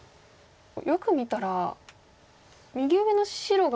よく見たら右上の白が。